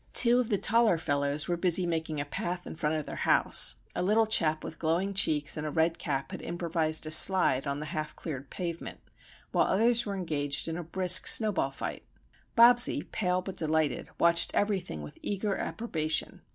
Two of the taller fellows were busy making a path in front of their house; a little chap with glowing cheeks and a red cap had improvised a slide on the half cleared pavement; while others were engaged in a brisk snowball fight. Bobsie, pale but delighted, watched everything with eager approbation.